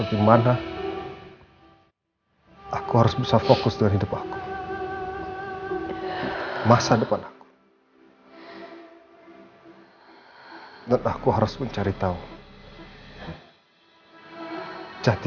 ini aku ilmukan update